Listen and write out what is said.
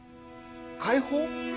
解放？